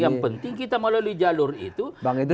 yang penting kita melalui jalur itu